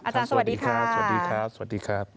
อาจารย์สวัสดีค่ะ